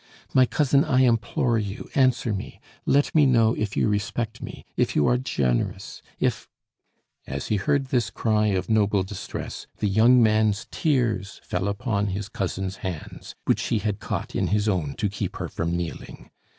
"My cousin, I implore you, answer me! let me know if you respect me, if you are generous, if " As he heard this cry of noble distress the young man's tears fell upon his cousin's hands, which he had caught in his own to keep her from kneeling.